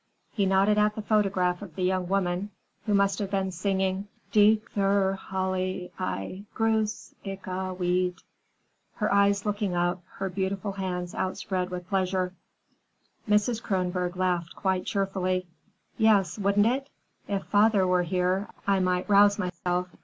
He nodded at the photograph of the young woman who must have been singing "Dich, theure Halle, grüss' ich wieder," her eyes looking up, her beautiful hands outspread with pleasure. Mrs. Kronborg laughed quite cheerfully. "Yes, wouldn't it? If father were here, I might rouse myself.